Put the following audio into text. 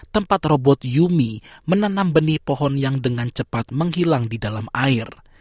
tempat robot yumi menanam benih pohon yang dengan cepat menghilang di dalam air